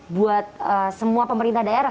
buat semua pemerintah daerah